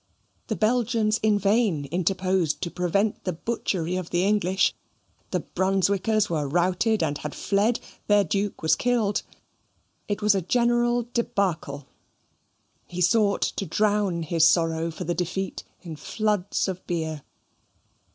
The Belgians in vain interposed to prevent the butchery of the English. The Brunswickers were routed and had fled their Duke was killed. It was a general debacle. He sought to drown his sorrow for the defeat in floods of beer.